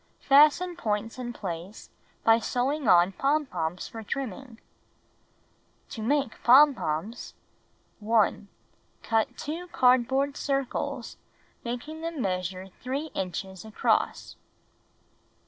Fasten points in place by sewing on pom poms for trimming. To Make Pompons 1. Cut 2 cardboard circles, making them measure 3 inches across.